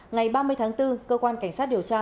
ngày ba mươi tháng bốn cơ quan cảnh sát điều tra